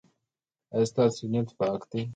ایا ستاسو نیت پاک دی؟